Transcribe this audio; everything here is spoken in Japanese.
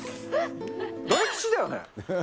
大吉だよね？